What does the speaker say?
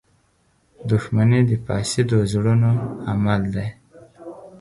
• دښمني د فاسدو زړونو عمل دی.